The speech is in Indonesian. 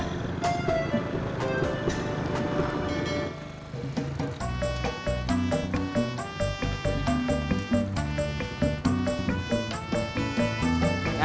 kayaknya udah choice ser grupos penipuan